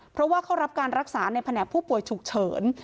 เพราะว่าเข้ารับการรักษาในแผนกผู้ป่วยฉุกเฉิน